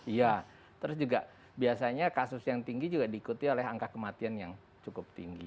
iya terus juga biasanya kasus yang tinggi juga diikuti oleh angka kematian yang cukup tinggi